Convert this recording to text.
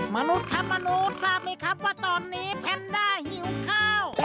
มนุษย์ครับมนุษย์ทราบไหมครับว่าตอนนี้แพนด้าหิวข้าว